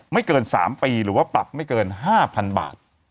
ไม่เกิน๓ปีหรือว่าปรับไม่เกิน๕๐๐๐บาท